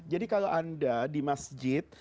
jadi kalau anda di masjid